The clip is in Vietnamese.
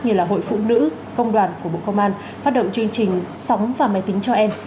như là hội phụ nữ công đoàn của bộ công an phát động chương trình sóng và máy tính cho em